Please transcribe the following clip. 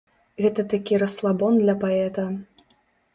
Гэта такі расслабон для паэта.